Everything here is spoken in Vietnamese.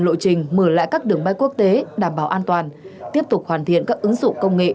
lộ trình mở lại các đường bay quốc tế đảm bảo an toàn tiếp tục hoàn thiện các ứng dụng công nghệ